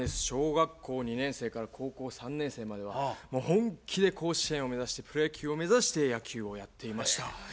小学校２年生から高校３年生まではもう本気で甲子園を目指してプロ野球を目指して野球をやっていました。